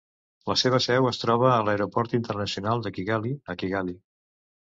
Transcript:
La seva seu es troba a l'Aeroport Internacional de Kigali a Kigali.